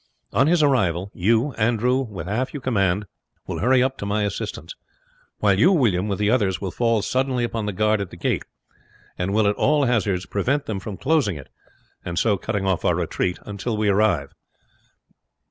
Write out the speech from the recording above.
On his arrival, you, Andrew, with the half you command, will hurry up to my assistance; while you, William, with the others, will fall suddenly upon the guard at the gate, and will at all hazards prevent them from closing it, and so cutting off our retreat, until we arrive.